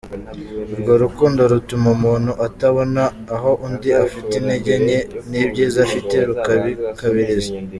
Urwo rukundo rutuma umuntu atabona aho undi afite intege nke n’ibyiza afite rukabikabiriza.